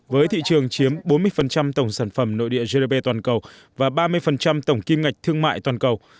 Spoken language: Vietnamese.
với thị trường chiếm bốn mươi tổng sản phẩm nội địa gdp toàn cầu và ba mươi tổng kim ngạch thương mại toàn cầu